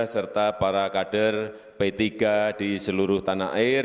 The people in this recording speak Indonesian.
serta para kader p tiga di seluruh tanah air